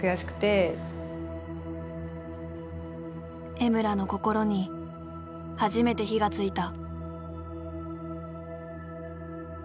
江村の心に初めて火がついた。